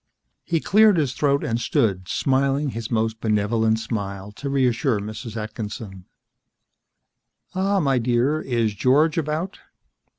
He cleared his throat and stood, smiling his most benevolent smile to reassure Mrs. Atkinson. "Ah, my dear. Is George about?"